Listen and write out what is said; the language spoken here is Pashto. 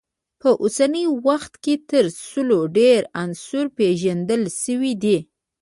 په اوسني وخت کې تر سلو ډیر عناصر پیژندل شوي دي.